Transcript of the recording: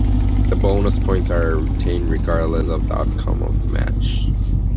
The bonus points are retained regardless of the outcome of the match.